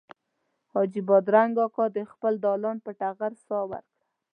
حاجي بادرنګ اکا د خپل دالان پر ټغر ساه ورکړه.